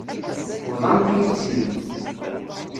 Bḍant-iyi-tt-id.